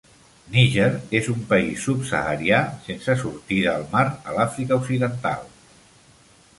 Niger és un país subsaharià sense sortida al mar a l'Àfrica Occidental.